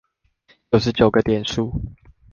九十九個點數